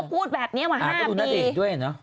ก็พูดแบบนี้มา๕ปีก็ดูนัดอีกด้วยเห็นหรือ